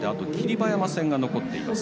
馬山戦が残っています。